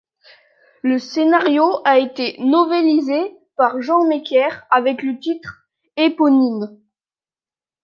Le scénario a été novélisé par Jean Meckert avec le titre éponyme.